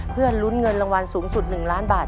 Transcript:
เพื่อลุ้นเงินรางวัลสูงสุด๑ล้านบาท